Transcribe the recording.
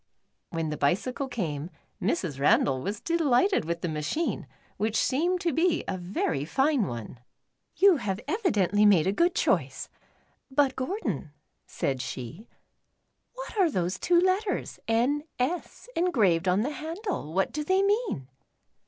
When the bicycle came, Mrs. Randall was delighted with the machine, Avhich seemed to be a very fine one. 56 The N. S. Bicycle. 57 "You have evidently made a good choice. But, Gordon," said she, ''what are those two letters ' N. S.' engraved on the handle? What do they mean